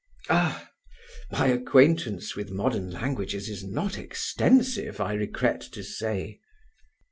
"Er—my acquaintance with modern languages is not extensive, I regret to say."